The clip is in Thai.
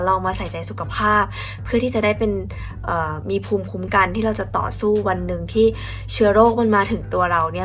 เรามาใส่ใจสุขภาพเพื่อที่จะได้เป็นมีภูมิคุ้มกันที่เราจะต่อสู้วันหนึ่งที่เชื้อโรคมันมาถึงตัวเราเนี่ย